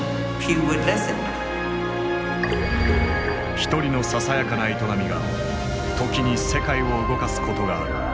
一人のささやかな営みが時に世界を動かすことがある。